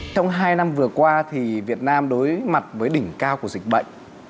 trong hai năm vừa qua thì việt nam đối mặt với đỉnh cao của dịch bệnh